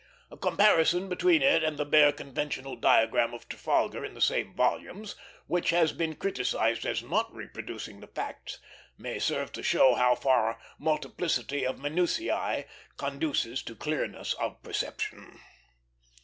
A comparison between it and the bare conventional diagram of Trafalgar in the same volumes, which has been criticised as not reproducing the facts, may serve to show how far multiplicity of minutiæ conduces to clearness of perception.